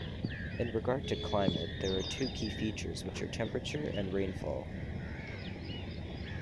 In regard to climate there are two key features which are temperature and rainfall.